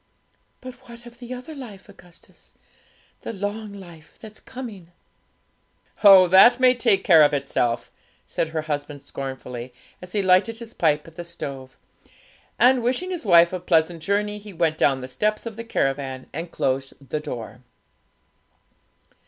'But what of the other life, Augustus the long life that's coming?' 'Oh, that may take care of itself!' said her husband scornfully, as he lighted his pipe at the stove; and, wishing his wife a pleasant journey, he went down the steps of the caravan and closed the door.